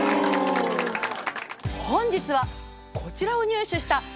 本日はこちらを入手したＵＦＯ